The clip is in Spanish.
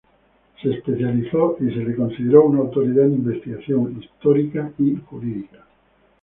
Se especializó y se le consideró una autoridad en investigación histórica y jurídica.